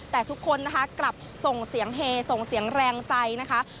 แต่ทุกคนนะคะกลับส่งเสียงเฮส่งเสียงแรงใจนะคะ